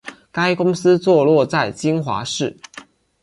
该公司坐落在金华市。